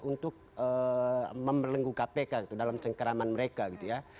untuk membelenggu kpk gitu dalam cengkeraman mereka gitu ya